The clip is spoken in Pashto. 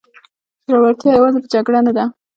زړورتیا یوازې په جګړه نه ده.